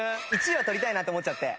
１位は取りたいなって思っちゃって。